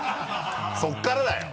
そこからだよ。